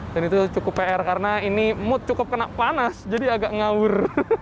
dan itu cukup pr karena ini mood cukup kena panas jadi agak ngawur